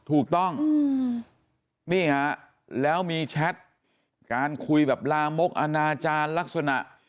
ถูกต้องนี่ฮะแล้วมีแชทการคุยแบบลามกอนาจารย์ลักษณะ